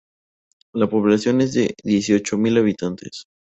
La población es de dieciocho mil habitantes.